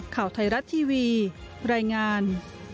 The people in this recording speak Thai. ข่าวไทยรัฐทีวีรายงาน